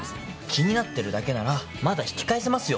気になってるだけならまだ引き返せますよ。